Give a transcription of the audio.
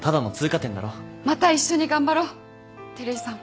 また一緒に頑張ろう照井さん。